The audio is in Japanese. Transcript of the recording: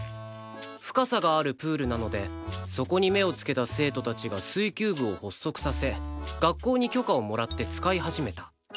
深さがあるプールなのでそこに目をつけた生徒たちが水球部を発足させ学校に許可をもらって使い始めた